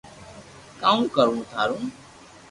ڪاو ڪرو ٿارو